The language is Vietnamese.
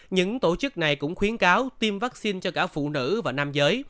những tổ chức này cũng khuyến cáo tiêm vaccine cho cả phụ nữ và nam giới